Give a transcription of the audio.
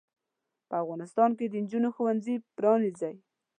په افغانستان کې د انجونو ښوونځې پرانځئ.